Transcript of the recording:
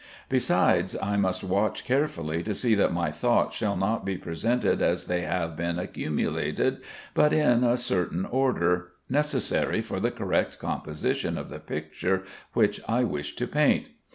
Besides I must watch carefully to see that my thoughts shall not be presented as they have been accumulated, but in a certain order, necessary for the correct composition of the picture which I wish to paint.